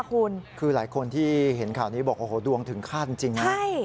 คุณคือหลายคนที่เห็นข่าวนี้บอกโอ้โหดวงถึงฆาตจริงนะ